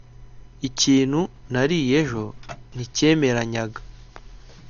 ikintu nariye ejo nticyemeranyaga